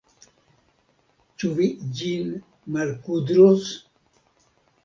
Ĉu vi ĝin malkudros?